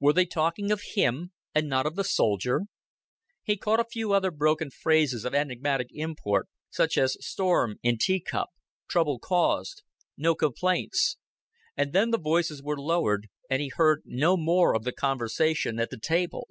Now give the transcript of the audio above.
Were they talking of him and not of the soldier? He caught a few other broken phrases of enigmatic import such as "storm in teacup," "trouble caused," "no complaints" and then the voices were lowered, and he heard no more of the conversation at the table.